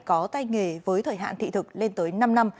có tay nghề với thời hạn thị thực lên tới năm năm